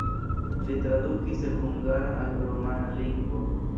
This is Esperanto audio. Li tradukis el hungara al rumana lingvo.